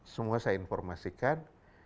semua saya informasikan